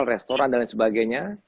restoran dan sebagainya